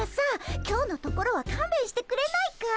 今日のところはかんべんしてくれないかい？